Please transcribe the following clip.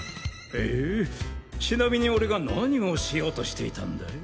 へえちなみに俺が何をしようとしていたんだい？